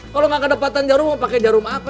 kalau gak kedapetan jarum mau pakai jarum apa